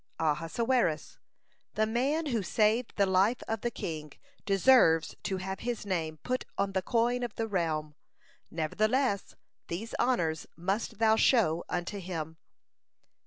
Ahasuerus: "The man who saved the life of the king deserves to have his name put on the coin of the realm. Nevertheless, these honors must thou show unto him."